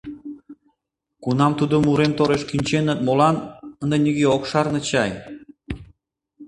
Кунам тудым урем тореш кӱнченыт, молан — ынде нигӧ ок шарне чай.